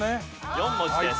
４文字です。